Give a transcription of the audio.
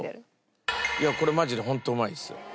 いやこれマジで本当うまいんですよ。